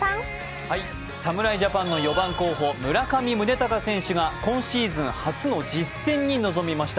侍ジャパンの４番候補村上宗隆選手が今シーズン初の実戦に臨みました。